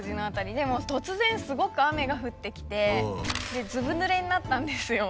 でも突然すごく雨が降ってきてずぶぬれになったんですよ。